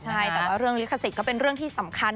ใช่แต่ว่าเรื่องลิขสิทธิ์ก็เป็นเรื่องที่สำคัญ